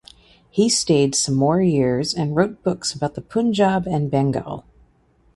He stayed some more years and wrote books about the Punjab and Bengal.